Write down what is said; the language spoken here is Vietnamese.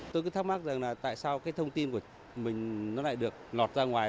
tôi cứ thắc mắc rằng là tại sao cái thông tin của mình nó lại được lọt ra ngoài